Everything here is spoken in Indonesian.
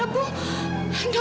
kenapa diam aja